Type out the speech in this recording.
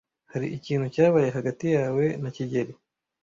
Hari ikintu cyabaye hagati yawe na kigeli?